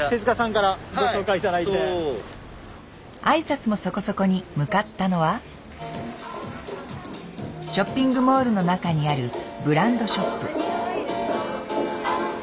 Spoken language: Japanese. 挨拶もそこそこに向かったのはショッピングモールの中にあるブランドショップ。